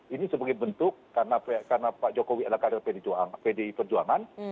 ini sebagai bentuk karena pak jokowi adalah kader pdi perjuangan